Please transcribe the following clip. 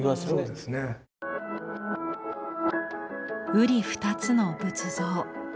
うり二つの仏像。